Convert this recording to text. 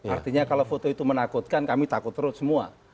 artinya kalau foto itu menakutkan kami takut terus semua